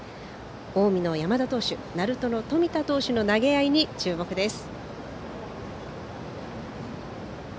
近江の山田投手鳴門の冨田投手の投げ合いに注目です。